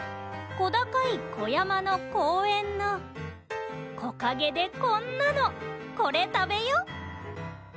小高い小山の公園の木陰でこんなのこれ食べよ